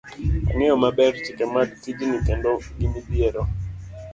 ang'eyo maber chike mag tijni kendo gi midhiero